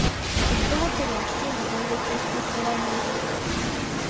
ペットボトルをきちんと分別して捨てられる人。